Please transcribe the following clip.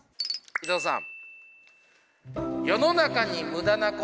伊藤さん。